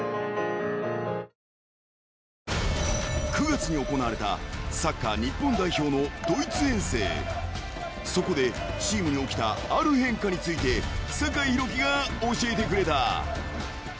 ［９月に行われたサッカー日本代表のドイツ遠征］［そこでチームに起きたある変化について酒井宏樹が教えてくれた］